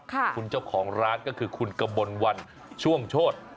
คุณเจ้าของร้านก็คือคุณกมลวันช่วงโชธ